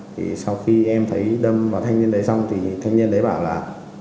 thì sau khi em thấy đâm vào thanh niên đấy xong thì thanh niên đấy bảo là